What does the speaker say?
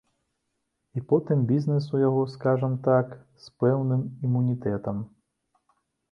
І потым, бізнес у яго, скажам так, з пэўным імунітэтам.